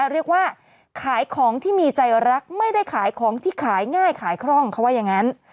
เรียกว่าขายของที่มีใจรักไม่ได้ขายของที่ขายง่ายขายคร่องเขาว่าอย่างนั้น